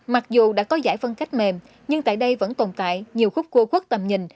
mặc dù đã có giải phân cách mềm nhưng tại đây vẫn tồn tại nhiều khúc cua khuất tầm nhìn